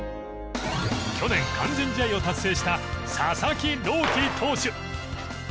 去年完全試合を達成した佐々木朗希投手。